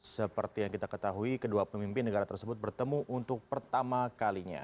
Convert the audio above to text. seperti yang kita ketahui kedua pemimpin negara tersebut bertemu untuk pertama kalinya